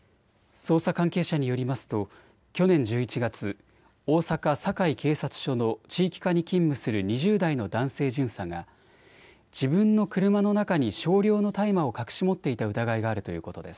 捜査関係者によりますと去年１１月、大阪、堺警察署の地域課に勤務する２０代の男性巡査が自分の車の中に少量の大麻を隠し持っていた疑いがあるということです。